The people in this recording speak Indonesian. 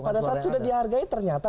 pada saat sudah dihargai ternyata